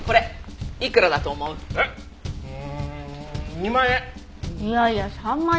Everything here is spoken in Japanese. ２万円。